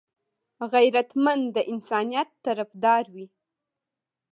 غیرتمند د انسانيت طرفدار وي